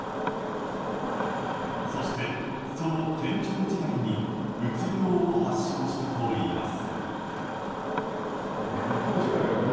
そして、その店長時代にうつ病を発症したといいます。